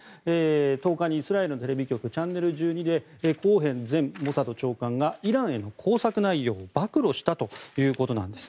１０日にイスラエルのテレビ局チャンネル１２でコーヘン前モサド長官がイランへの工作内容を暴露したということです。